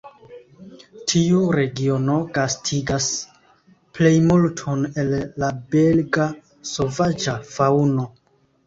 Tiu regiono gastigas plejmulton el la belga sovaĝa faŭno.